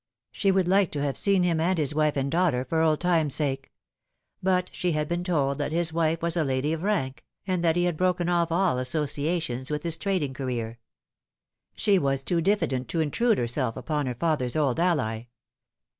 She would like to have seen him and his wife and daughter, for old times' sake ; but she had been told that his wife was a lady of rank, and that he had broken off all associations with his trading career. She was too diffident to intrude herself upon her father's old ally.